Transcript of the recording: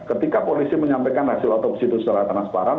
ketika polisi menyampaikan hasil otopsi itu secara transparan